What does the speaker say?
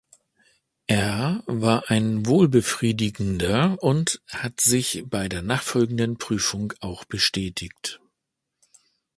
Er war ein wohlbefriedigender und hat sich bei der nachfolgenden Prüfung auch bestätigt.